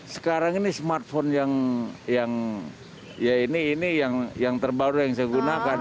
sekarang ini smartphone yang ya ini yang terbaru yang saya gunakan